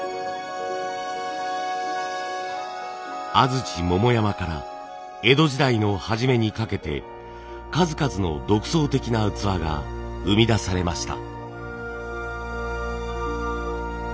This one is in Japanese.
安土桃山から江戸時代の初めにかけて数々の独創的な器が生み出されました。